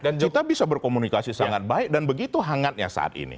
kita bisa berkomunikasi sangat baik dan begitu hangatnya saat ini